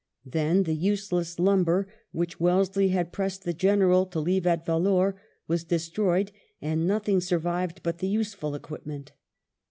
Then the "useless lumber," which Wellesley had pressed the General to leave at Vellore, was de stroyed, and nothing survived but the useful equipment.